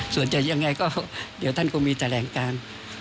ส่วนจากอย่างไรเดี๋ยวท่านคงมีแถลงการ